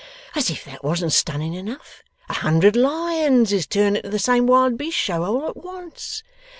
As if that wasn't stunning enough, a hundred lions is turned into the same wild beast show all at once!